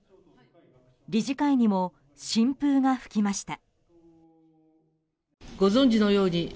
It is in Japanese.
理事会にも新風が吹きました。